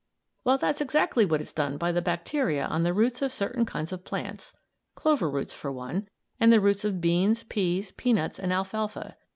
Well, that's exactly what is done by the bacteria on the roots of certain kinds of plants clover roots, for one; and the roots of beans, peas, peanuts, and alfalfa.